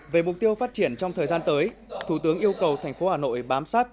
về mục tiêu phát triển trong thời gian tới thủ tướng yêu cầu thành phố hà nội bám sát